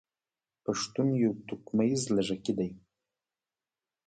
پښتون يو توکميز لږکي دی.